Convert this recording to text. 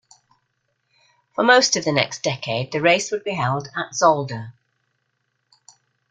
For most of the next decade, the race would be held at Zolder.